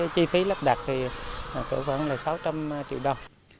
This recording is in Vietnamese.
chi phí lắp đặt vẫn là sáu trăm linh triệu đồng